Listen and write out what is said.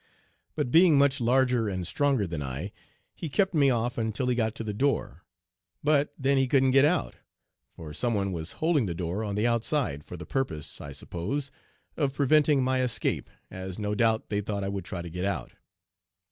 But being much larger and stronger than I, he kept me off until he got to the door, but then he couldn't get out, for some one was holding the door on the outside, for the purpose, I suppose, of preventing my escape, as no doubt they thought I would try to get out.